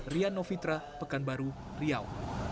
rian novitra pekanbaru riau